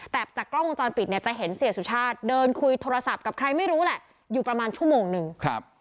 แต่จากกล้องวงจรปิดเนี่ยจะเห็นเสียสุชาติเดินคุยโทรศัพท์กับใครไม่รู้แหละอยู่ประมาณชั่วโมงนึงครับ